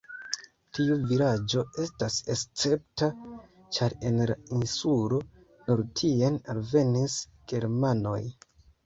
Tiu vilaĝo estas escepta, ĉar en la insulo nur tien alvenis germanoj.